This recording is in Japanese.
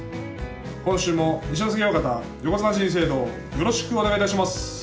今週も「二所ノ関親方横綱人生道」をよろしくお願いいたします。